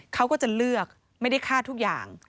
เขาก็จะเลือกไม่ได้ฆ่าทุกอย่าง